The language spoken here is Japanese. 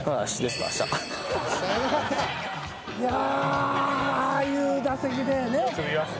いやあ！ああいう打席でね。